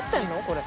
これ。